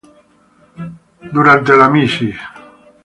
Durante The Mrs.